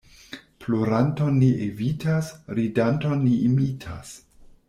Ploranton ni evitas, ridanton ni imitas.